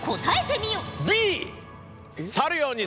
答えてみよ。